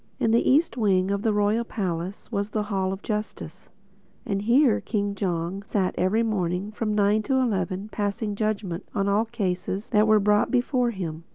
In the east wing of the Royal Palace was the Hall of Justice. And here King Jong sat every morning from nine to eleven passing judgment on all cases that were brought before him.